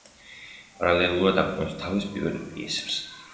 პარალელურად აქვეყნებს თავის პირველ პიესებს.